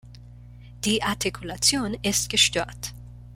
Die Artikulation ist gestört.